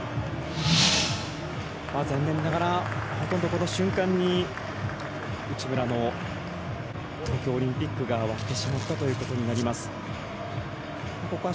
残念ながら、ほとんどこの瞬間に内村の東京オリンピックが終わってしまったということになります。